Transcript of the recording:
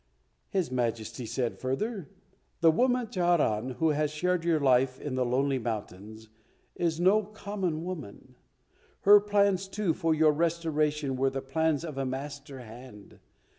His Majesty said further, "The woman Charan, who has shared your life in the lonely mountains, is no common woman. Her plans, too, for your restoration were the plans of a master hand.